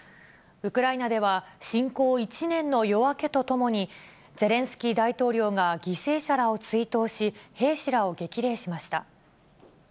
ウクライナでは、侵攻１年の夜明けとともに、ゼレンスキー大統領が犠牲者らを追悼し、兵士らを激励しました。